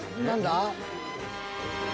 何だ？